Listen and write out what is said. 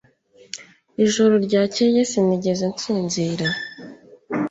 Ijoro ryakeye sinigeze nsinzira.